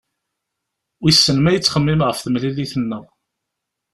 Wissen ma yettxemmim ɣef temlilit-nneɣ?